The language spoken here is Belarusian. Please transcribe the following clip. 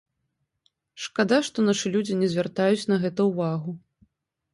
Шкада, што нашы людзі не звяртаюць на гэта ўвагу.